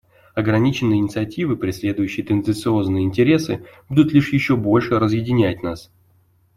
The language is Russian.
Ограниченные инициативы, преследующие тенденциозные интересы, будут лишь еще больше разъединять нас.